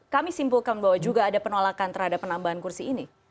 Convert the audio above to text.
kami simpulkan bahwa juga ada penolakan terhadap penambahan kursi ini